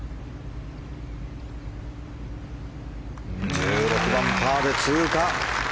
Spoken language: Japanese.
１６番、パーで通過。